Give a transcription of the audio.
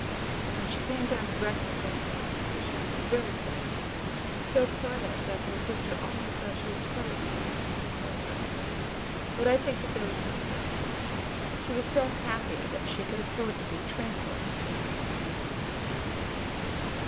When she came down to breakfast on the next morning she was very quiet, so quiet that her sister almost thought she was frightened at her future prospects; but I think that there was no such fear. She was so happy that she could afford to be tranquil in her happiness.